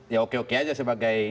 ya oke oke aja sebagai